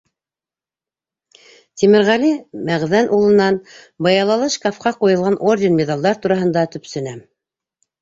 Тимерғәле Мәғҙән улынан быялалы шкафҡа ҡуйылған орден-миҙалдар тураһында төпсөнәм.